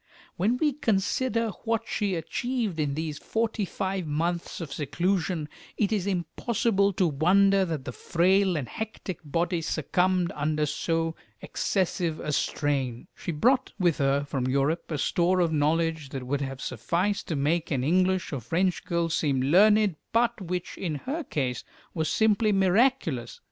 When we consider what she achieved in these forty five months of seclusion, it is impossible to wonder that the frail and hectic body succumbed under so excessive a strain. She brought with her from Europe a store of knowledge that would have sufficed to make an English or French girl seem learned, but which in her case was simply miraculous.